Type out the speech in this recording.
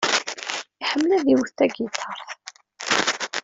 Iḥemmel ad iwet tagiṭart.